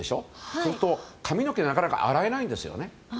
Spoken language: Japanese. そうすると、髪の毛をなかなか洗えないですよね。